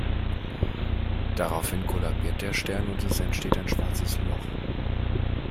Daraufhin kollabiert der Stern und es entsteht ein schwarzes Loch.